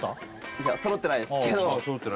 いやそろってないですけどあっ